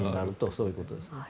そういうことですね。